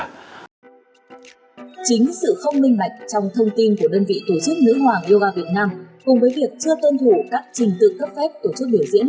các trình tự cấp phép tổ chức biểu diễn